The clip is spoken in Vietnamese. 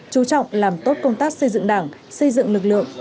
chú trọng làm tốt công tác xây dựng đảng xây dựng lực lượng